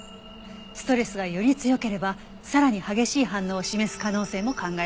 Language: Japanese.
ストレスがより強ければさらに激しい反応を示す可能性も考えられます。